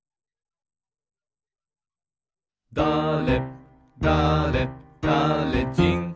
「だれだれだれじん」